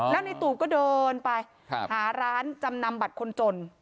แล้วในตูดก็เดินไปหาร้านจำนำบัตรคนจน